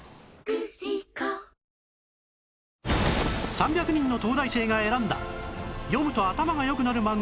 ３００人の東大生が選んだ読むと頭が良くなる漫画